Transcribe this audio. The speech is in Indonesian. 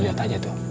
lu liat aja tuh